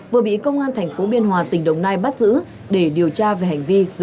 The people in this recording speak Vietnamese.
vừa bị công an thành phố biên hòa tỉnh đồng nai bắt giữ để điều tra về hành vi